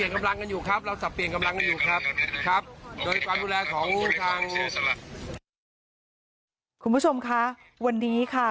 คุณผู้ชมคะวันนี้ค่ะ